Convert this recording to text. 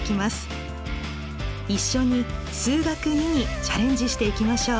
一緒に「数学Ⅱ」にチャレンジしていきましょう。